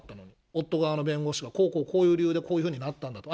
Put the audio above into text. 夫側の弁護士がこうこうこういう理由で、こういうふうになったんだと。